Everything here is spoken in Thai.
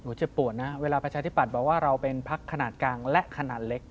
เจ็บปวดนะเวลาประชาธิปัตย์บอกว่าเราเป็นพักขนาดกลางและขนาดเล็ก